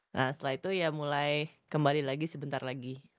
nah setelah itu ya mulai kembali lagi sebentar lagi